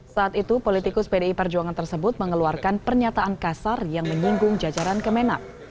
saat itu politikus pdi perjuangan tersebut mengeluarkan pernyataan kasar yang menyinggung jajaran kemenak